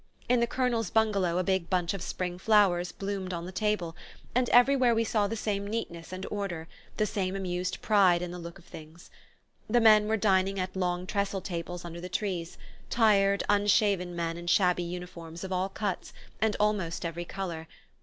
In the Colonel's bungalow a big bunch of spring flowers bloomed on the table, and everywhere we saw the same neatness and order, the same amused pride in the look of things. The men were dining at long trestle tables under the trees; tired, unshaven men in shabby uniforms of all cuts and almost every colour.